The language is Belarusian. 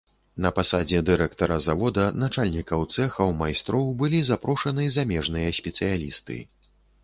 На пасадзе дырэктара завода, начальнікаў цэхаў, майстроў былі запрошаны замежныя спецыялісты.